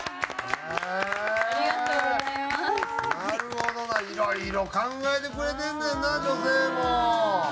いろいろ考えてくれてんねんな女性も。